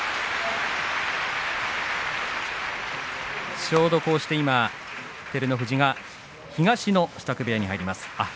ちょうど照ノ富士東の支度部屋に入ります。